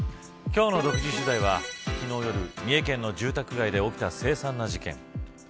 今日の独自取材は昨日夜、三重県の住宅街で起きた凄惨な事件。